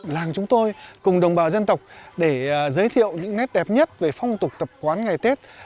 làng chúng tôi cùng đồng bào dân tộc để giới thiệu những nét đẹp nhất về phong tục tập quán ngày tết